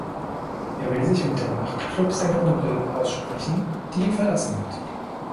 Er will sich mit der Nachtclubsängerin Lyn aussprechen, die ihn verlassen hat.